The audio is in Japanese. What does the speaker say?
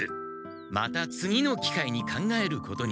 また次のきかいに考えることにした。